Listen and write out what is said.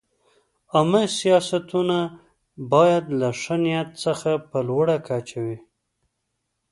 عامه سیاستونه باید له ښه نیت څخه په لوړه کچه وي.